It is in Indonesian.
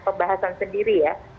perbahasan sendiri ya